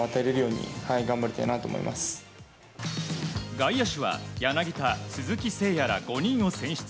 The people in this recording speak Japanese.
外野手は柳田、鈴木誠也ら５人を選出。